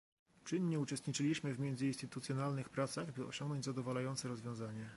Czynnie uczestniczyliśmy w międzyinstytucjonalnych pracach, by osiągnąć zadowalające rozwiązanie